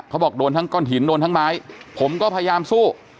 บอกโดนทั้งก้อนหินโดนทั้งไม้ผมก็พยายามสู้